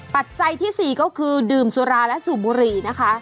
ปัจจัยที่๔ก็คือดื่มสุราและสูบบุหรี่นะคะ